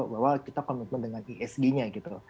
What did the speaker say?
bahwa kita komitmen dengan isg nya gitu